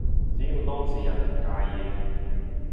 只要當事人唔介意